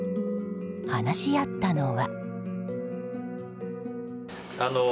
話し合ったのは。